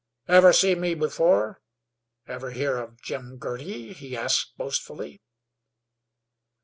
"Ever see me afore? Ever hear of Jim Girty?" he asked boastfully.